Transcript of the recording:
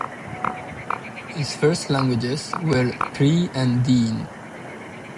His first languages were Cree and Dene.